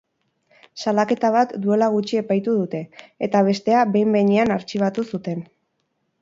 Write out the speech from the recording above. Salaketa bat duela gutxi epaitu dute, eta bestea behin-behinean artxibatu zuten.